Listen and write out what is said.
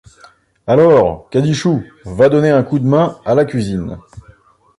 Alors, Cadichou, va donner un coup de main à la cuisine.